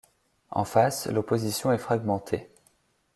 En face, l'opposition est fragmentée.